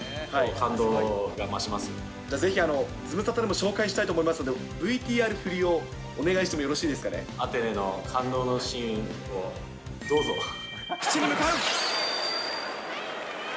じゃあぜひズムサタでも紹介したいと思いますので、ＶＴＲ振りをお願いしてもよろしいですかアテネの感動のシーンをどう着地に向かう。